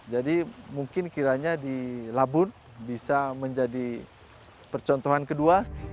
jadi mungkin kiranya di labun bisa menjadi percontohan kedua